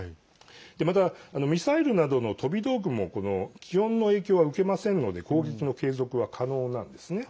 また、ミサイルなどの飛び道具も気温の影響は受けませんので攻撃の継続は可能なんですね。